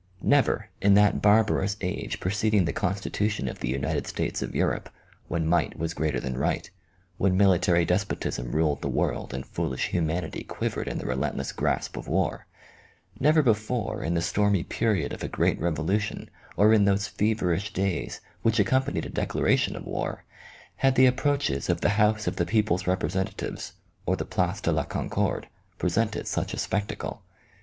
Never, in that barbarous age preceding the con stitution of the United States of Europe, when might was greater than right, when military despotism ruled the world and foolish humanity quivered in the relentless grasp of war never before in the stormy period of a great revolution, or in those feverish days which accom panied a declaration of war, had the approaches of the house of the people's representatives, or the Place de la Concorde presented such a spectacle.